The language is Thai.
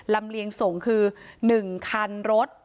เลียงส่งคือ๑คันรถ